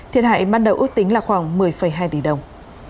thiệt hại ban đầu ước tính là khoảng một mươi hai tỷ đồng